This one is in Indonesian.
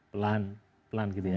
pelan pelan gitu ya